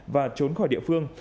và trốn khỏi địa phương